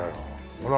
ほら。